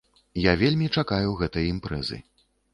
Я вельмі чакаю гэтай імпрэзы.